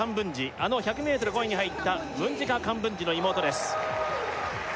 あの１００ｍ５位に入ったムジンガ・カンブンジの妹です